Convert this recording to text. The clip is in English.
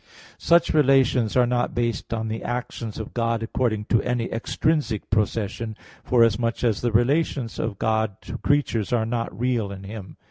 Such relations are not based on the actions of God according to any extrinsic procession, forasmuch as the relations of God to creatures are not real in Him (Q.